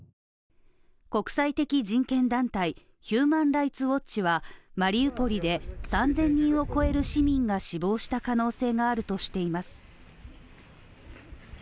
国際的人権団体、ヒューマン・ライツ・ウォッチはマリウポリで３０００人を超える市民が死亡した可能性があるとしています。